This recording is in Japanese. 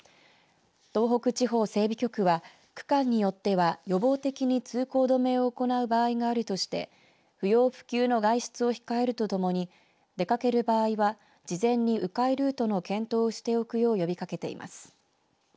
東北地方整備局は区間によっては予防的に通行止めを行う場合があるとして不要不急の外出を控えるとともに出掛ける場合は事前にう回ルートの検討をしておくよう呼びかけています。